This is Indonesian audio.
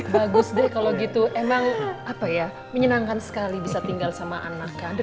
bagus deh kalau gitu emang apa ya menyenangkan sekali bisa tinggal sama anak kah